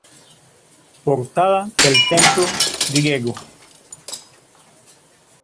Portada del templo griego.